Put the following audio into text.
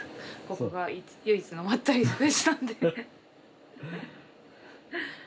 ここが唯一のまったりスペースなんで。